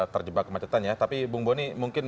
terima kasih pak